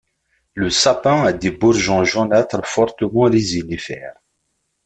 Le sapin a des bourgeons jaunâtres fortement résinifères.